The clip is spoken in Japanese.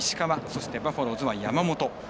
そしてバファローズは山本。